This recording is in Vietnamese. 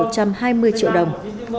hai mươi triệu đồng